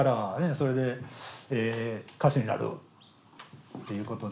それで歌手になるっていうことで。